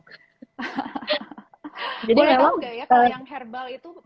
kalau yang herbal itu